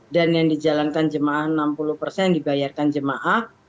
dan yang dijalankan jemaah enam puluh yang dibayarkan jemaah